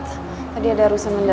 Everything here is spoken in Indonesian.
jadi kayak gini sih